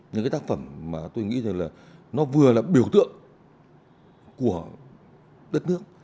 những cái tác phẩm mà tôi nghĩ rằng là nó vừa là biểu tượng của đất nước